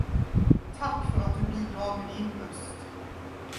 Tack för att du bidrar med din röst!